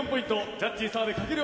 ジャッジ澤部、かける